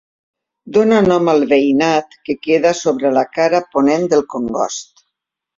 Dóna nom al veïnat que queda sobre la cara ponent del Congost.